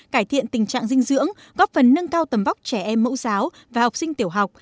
cải thiện tình trạng dinh dưỡng góp phần nâng cao tầm vóc trẻ em mẫu giáo và học sinh tiểu học